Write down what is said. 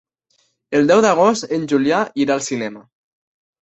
El deu d'agost en Julià irà al cinema.